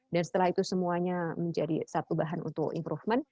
dan setelah itu semuanya menjadi satu bahan untuk improvement